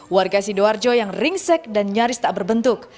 warga sidoarjo yang ringsek dan nyaris tak berbentuk